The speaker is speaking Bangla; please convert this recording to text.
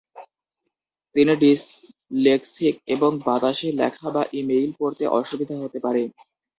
তিনি ডিসলেক্সিক এবং বাতাসে লেখা বা ইমেইল পড়তে অসুবিধা হতে পারে।